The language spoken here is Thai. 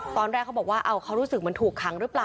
ตอนแรกเขาบอกว่าเขารู้สึกเหมือนถูกขังหรือเปล่า